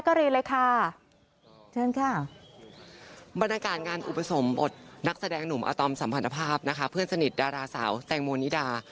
เชิญค่ะบรรยากาศงานอุปสมบทนักแสดงหนุ่มอาตอมสัมพันธภาพนะคะเพื่อนสนิทดาราสาวแตงโมนิดา